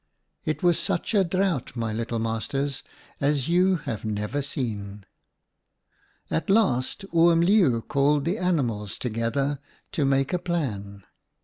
It was such a drought, my little masters, as you have never seen. " At last Oom Leeuw called the animals together to make a plan.